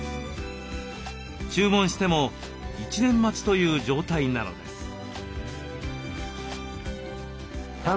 注文しても１年待ちという状態なのです。